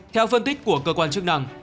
theo phân tích của cơ quan chức năng